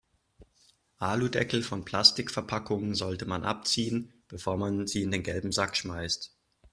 Aludeckel von Plastikverpackungen sollte man abziehen, bevor man sie in den gelben Sack schmeißt.